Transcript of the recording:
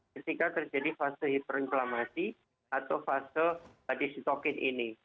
ketika terjadi fase hiperinflamasi atau fase tadi sitokin ini